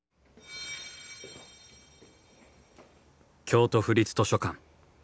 京都府立図書館。